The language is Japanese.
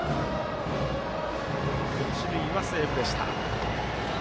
一塁はセーフでした。